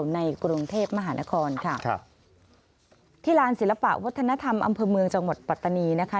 ในกรุงเทพมหานครค่ะครับที่ลานศิลปะวัฒนธรรมอำเภอเมืองจังหวัดปัตตานีนะคะ